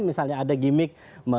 misalnya ada gimmick